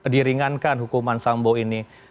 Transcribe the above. diringankan hukuman sambo ini